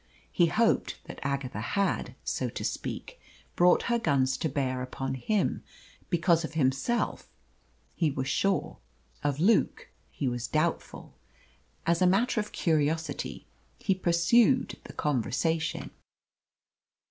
He hoped that Agatha had, so to speak, brought her guns to bear upon him, because of himself he was sure, of Luke he was doubtful. As a matter of curiosity he pursued the conversation.